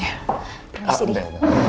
terima kasih di